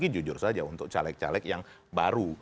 jujur saja untuk caleg caleg yang baru